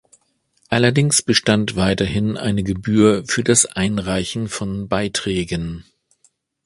Allerdings bestand weiterhin eine Gebühr für das Einreichen von Beiträgen.